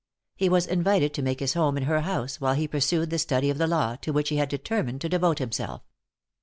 He was invited to make his home in her house while he pursued the study of the law, to which he had determined to devote himself.